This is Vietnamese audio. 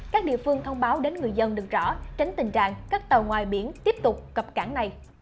các địa phương thông báo đến người dân được rõ tránh tình trạng các tàu ngoài biển tiếp tục cập cảng này